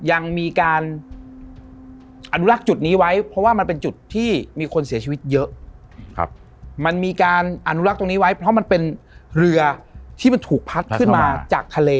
ยังมีการอนุรักษ์จุดนี้ไว้เพราะว่ามันเป็นจุดที่มีคนเสียชีวิตเยอะมันมีการอนุรักษ์ตรงนี้ไว้เพราะมันเป็นเรือที่มันถูกพัดขึ้นมาจากทะเล